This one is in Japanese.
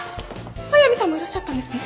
速見さんもいらっしゃったんですね